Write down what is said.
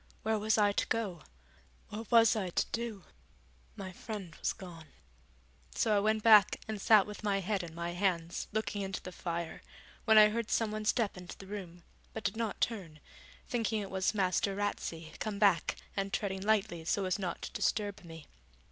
where was I to go, what was I to do? My friend was gone. So I went back and sat with my head in my hands looking into the fire, when I heard someone step into the room, but did not turn, thinking it was Master Ratsey come back and treading lightly so as not to disturb me.